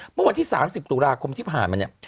เมื่อวันที่๓๐ตุลาคมที่ผ่านมาเนี่ย